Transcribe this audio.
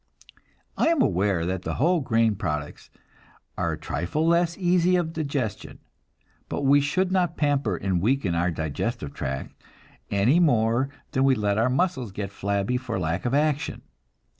I am aware that whole grain products are a trifle less easy of digestion, but we should not pamper and weaken our digestive tract any more than we let our muscles get flabby for lack of action.